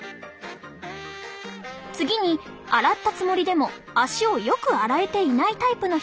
次に洗ったつもりでも足をよく洗えていないタイプの人。